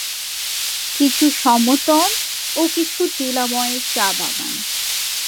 কিছু সমতল ও কিছু টিলাময় চা বাগান।